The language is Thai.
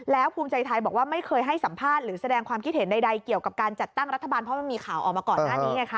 แล้วภูมิใจไทยบอกว่าไม่เคยให้สัมภาษณ์หรือแสดงความคิดเห็นใดเกี่ยวกับการจัดตั้งรัฐบาลเพราะมันมีข่าวออกมาก่อนหน้านี้ไงคะ